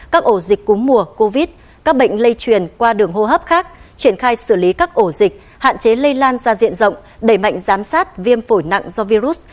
các ổ dịch cúm mùa covid các bệnh lây truyền qua đường hô hấp khác triển khai xử lý các ổ dịch hạn chế lây lan ra diện rộng đẩy mạnh giám sát viêm phổi nặng do virus